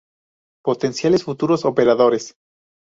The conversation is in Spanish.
Potenciales futuros operadores